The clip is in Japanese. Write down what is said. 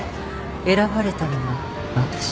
選ばれたのは私。